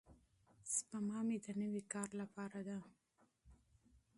سپما مې د نوي کار لپاره ده.